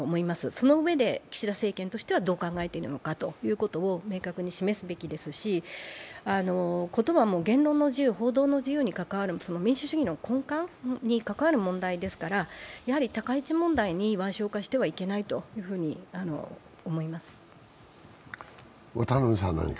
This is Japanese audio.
そのうえで岸田政権としてはどう考えているのかも示すべきですし、事は言論の自由、報道の自由、民主主義の根幹に関わる問題ですからやはり高市問題にわい小化してはいけないと思います。